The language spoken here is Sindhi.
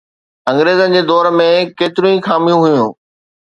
انگريزن جي دور ۾ ڪيتريون ئي خاميون هيون